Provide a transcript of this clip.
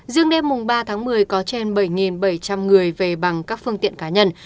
riêng đêm ba tháng một mươi có trên bảy bảy trăm linh người về bằng các phương tiện cá nhân